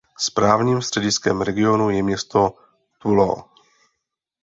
Správním střediskem regionu je město Toulouse.